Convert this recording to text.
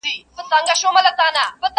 د یارانو پکښي سخت مخالفت سو!